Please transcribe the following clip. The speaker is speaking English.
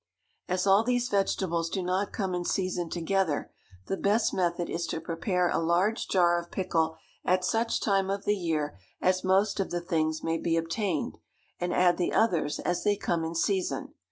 As all these vegetables do not come in season together, the best method is to prepare a large jar of pickle at such time of the year as most of the things may be obtained, and add the others as they come in season.